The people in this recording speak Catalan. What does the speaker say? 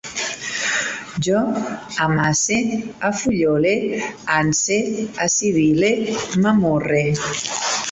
Jo amace, afullole, anse, assibile, m'amorre